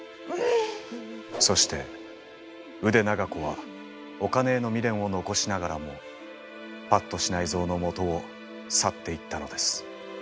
そして腕長子はお金への未練を残しながらも八渡支内造のもとを去っていったのです。